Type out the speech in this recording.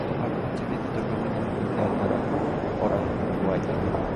anak kecil itu duduk menyempil di antara kedua orang tuanya